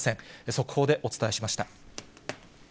速報でお伝えしました。